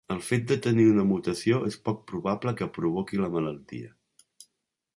El fet de tenir una mutació és poc probable que provoqui la malaltia.